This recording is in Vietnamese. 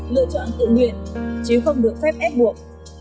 lựa chọn tự nguyện chứ không được phép ép buộc